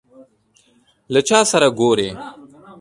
له چا سره ګورې ؟